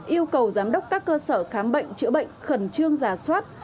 yêu cầu giám đốc các cơ sở khám bệnh chữa bệnh khẩn trương giả soát